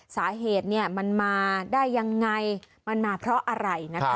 สาเหตุเนี่ยมันมาได้ยังไงมันมาเพราะอะไรนะคะ